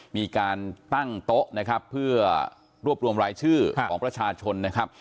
มีการตั้งโต๊ะนะครับเพื่อรวบรวมรายชื่อของประชาชนนะครับ